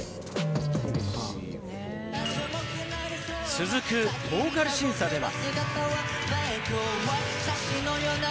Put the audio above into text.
続くボーカル審査では。